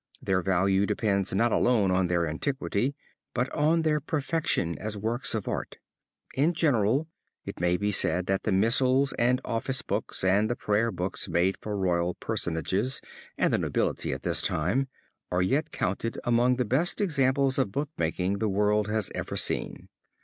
Their value depends not alone on their antiquity but on their perfection as works of art. In general it may be said that the missals and office books, and the prayer books made for royal personages and the nobility at this time, are yet counted among the best examples of bookmaking the world has ever seen.